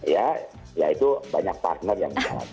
ya ya itu banyak partner yang menjelaskan